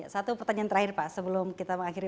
satu pertanyaan terakhir pak sebelum kita mengakhiri